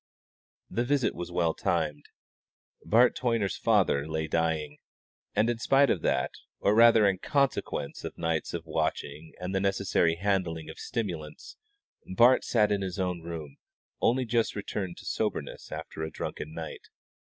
The visit was well timed. Bart Toyner's father lay dying; and in spite of that, or rather in consequence of nights of watching and the necessary handling of stimulants, Bart sat in his own room, only just returned to soberness after a drunken night.